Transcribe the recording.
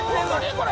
これ。